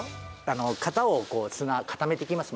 型を砂固めていきます